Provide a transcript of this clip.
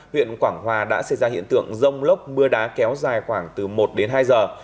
huyện quảng hòa đã xảy ra hiện tượng rông lốc mưa đá kéo dài khoảng từ một đến hai giờ